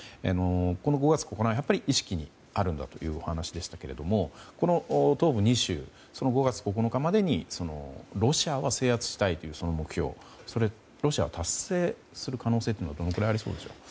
この５月９日、やっぱり意識があるんだというお話でしたがこの東部２州を５月９日までにロシアは制圧したいというその目標をそれをロシアが達成する可能性はどのくらいありそうでしょう？